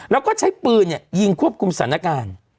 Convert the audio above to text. แล้วก็ใช้ปืนเนี่ยยิงควบคุมสนการ